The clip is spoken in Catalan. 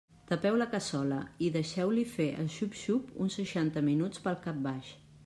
Tapeu la cassola i deixeu-li fer el xup-xup uns seixanta minuts pel cap baix.